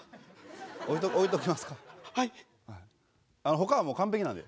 ほかはもう完璧なんで。